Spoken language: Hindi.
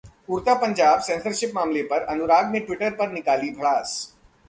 'उड़ता पंजाब' सेंसरशिप मामले पर अनुराग ने ट्विटर पर निकाली भड़ास